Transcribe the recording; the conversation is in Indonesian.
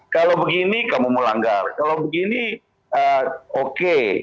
kalau begini kamu melanggar kalau begini oke